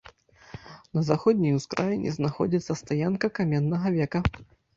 На заходняй ускраіне знаходзіцца стаянка каменнага века.